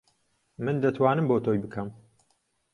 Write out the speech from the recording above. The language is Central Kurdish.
من دەتوانم بۆ تۆی بکەم.